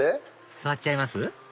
座っちゃいます？